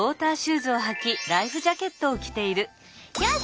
よし！